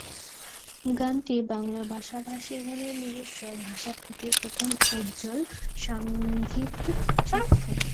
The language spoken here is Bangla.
গানটি বাংলা ভাষাভাষীগণের নিজস্ব ভাষাপ্রীতির প্রথম উজ্জ্বল সাঙ্গীতিক স্বাক্ষর।